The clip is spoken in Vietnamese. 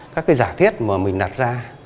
các giả thiết mà mình đặt ra